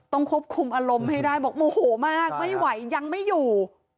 ควบคุมอารมณ์ให้ได้บอกโมโหมากไม่ไหวยังไม่อยู่